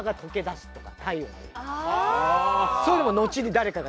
そういうのものちに誰かが。